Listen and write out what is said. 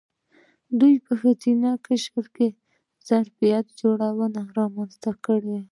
دوی په ښځینه قشر کې ظرفیت جوړونه رامنځته کړې.